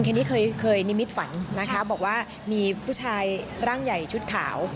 แค่นี้เคยนิมิตฝันนะคะบอกว่ามีผู้ชายร่างใหญ่ชุดขาว